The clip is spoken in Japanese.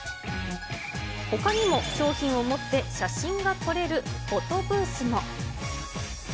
ほかにも、商品を持って写真が撮れるフォトブースも。